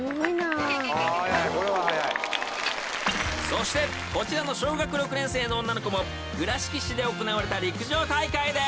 ［そしてこちらの小学６年生の女の子も倉敷市で行われた陸上大会で］